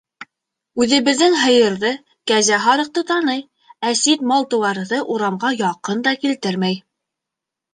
Үҙебеҙҙең һыйырҙы, кәзә-һарыҡты таный, ә сит мал-тыуарҙы урамға яҡын да килтермәй.